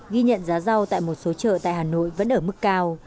ghi nhận giá rau tại một số chợ tại hà nội vẫn ở mức cao